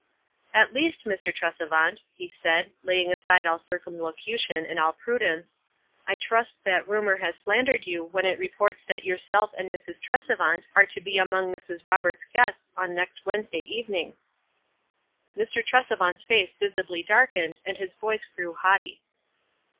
"At leaM, Mr. Tresevant," he said, laying aside all otrcamlocution and all prudence, " I trust that rumor has slandered you when it re ports that yourself aud Mrs. Tresevant are to be among Mrs. Roberts' guests on next Wednesday evening." Mr. Tresevant's race visibly darkened, and his voice grew haughtv.